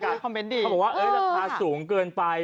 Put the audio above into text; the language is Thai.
ร้านคอมเมนต์ดีเค้าก็บอกว่าสูงเกินไป